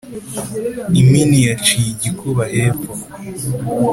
Impini yaciye igikuba hepfo